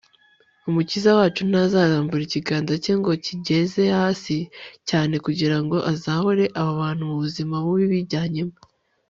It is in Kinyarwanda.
umukiza wacu ntazarambura ikiganza cye ngo akigeze hasi cyane kugira ngo azahure abo bantu mu buzima bubi bijyanyemo